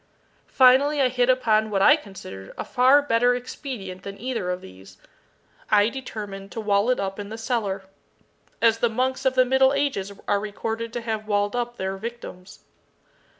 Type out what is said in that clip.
Finally I hit upon what I considered a far better expedient than either of these. I determined to wall it up in the cellar as the monks of the middle ages are recorded to have walled up their victims.